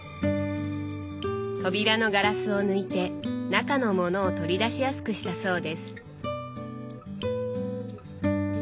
扉のガラスを抜いて中の物を取り出しやすくしたそうです。